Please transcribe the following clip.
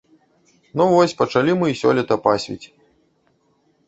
Ну вось, пачалі мы і сёлета пасвіць.